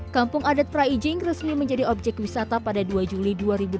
kampung adat praijing resmi menjadi objek wisata pada dua juli dua ribu dua puluh